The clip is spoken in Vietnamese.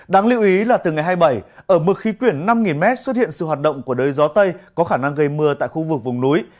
đáng lưu ý là từ ngày hai mươi bảy ở mực khí quyển năm m xuất hiện sự hoạt động của đới gió tây có khả năng gây mưa tại khu vực vùng núi